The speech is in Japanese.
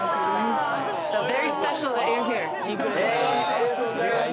ありがとうございます。